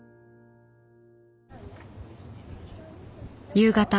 夕方。